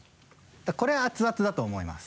これ熱々だと思います。